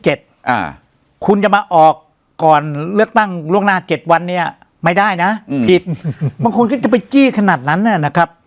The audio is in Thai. หรือไปจี้ขนาดนั้นนะครับ